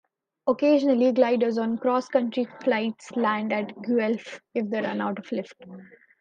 Occasionally gliders on cross-country flights land at Guelph if they run out of lift.